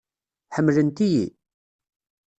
Ḥemmlent-iyi?